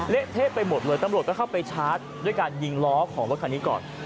เละเทะไปหมดเลยตำรวจก็เข้าไปชาร์จด้วยการยิงล้อของรถคันนี้ก่อน